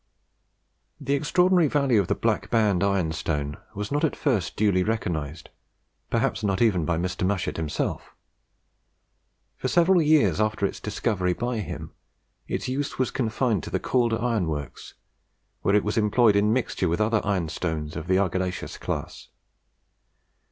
The extraordinary value of the Black Band ironstone was not at first duly recognised, perhaps not even by Mr. Mushet himself. For several years after its discovery by him, its use was confined to the Calder Iron Works, where it was employed in mixture with other ironstones of the argillaceous class.